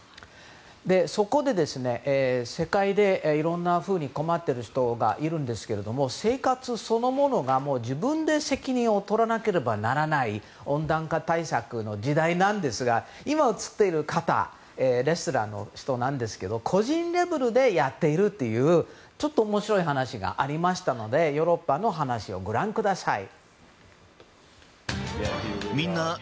そこで、世界でいろんなふうに困っている人がいるんですけど生活そのものが自分で責任を取らなければならない温暖化対策の時代なんですが今映っている方レストランの人なんですけど個人レベルでやっているという面白い話がありましたのでヨーロッパの話をご覧ください。